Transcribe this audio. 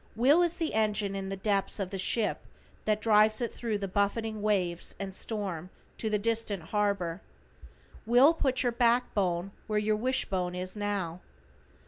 Will is the engine in the depths of the ship that drives it thru the buffeting waves and storm to the distant harbor. Will puts your back bone where your wish bone is now.